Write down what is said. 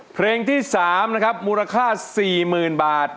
เพลงที่๓นะครับมูลค่า๔๐๐๐บาท